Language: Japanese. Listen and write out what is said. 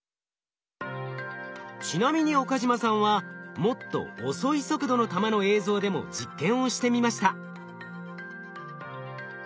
ちなみに岡嶋さんはもっと遅い速度の球の映像でも実験をしてみました。